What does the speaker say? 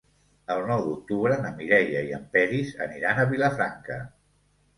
El nou d'octubre na Mireia i en Peris aniran a Vilafranca.